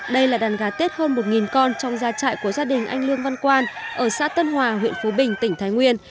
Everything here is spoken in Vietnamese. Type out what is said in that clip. đây là đàn gà tết hơn một con trong gia trại của gia đình anh lương văn quan ở xã tân hòa huyện phú bình tỉnh thái nguyên